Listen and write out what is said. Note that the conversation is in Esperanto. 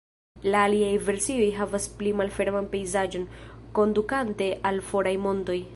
La aliaj versioj havas pli malferman pejzaĝon, kondukante al foraj montoj.